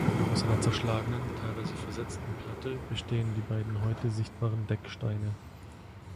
Aus einer zerschlagenen, teilweise versetzten Platte bestehen die beiden heute sichtbaren Decksteine.